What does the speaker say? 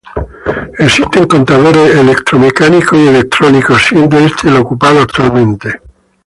Existen contadores electromecánicos y electrónicos siendo este el ocupado actualmente.